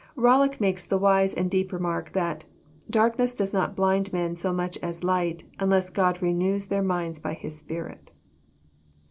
Bollock makes the wise and deep remark, that "Darkness does not blind men so much as light, unless God renews their minds by His Spirit."